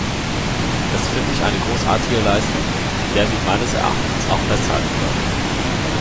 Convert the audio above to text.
Das finde ich eine großartige Leistung, an der wir meines Erachtens auch festhalten sollten.